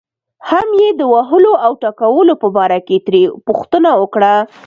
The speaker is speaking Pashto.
هم یې د وهلو او ټکولو په باره کې ترې پوښتنه وکړه.